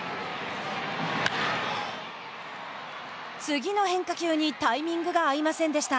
次の変化球にタイミングが合いませんでした。